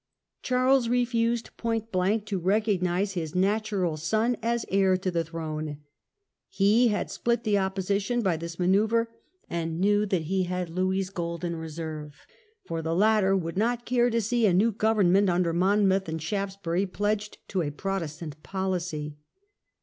Charles refused point blank to recognize his natural son as heir to the throne. He had split the Opposition by this manoeuvre, and knew that he had Louis' gold in reserve, for the latter would not care to see a new government under Monmouth and Shaftes bury pledged to a Protestant policy.